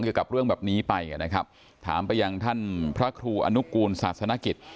เกี่ยวกับเรื่องแบบนี้ไปนะครับถามไปยังท่านพระครูอนุกูลศาสนกิจ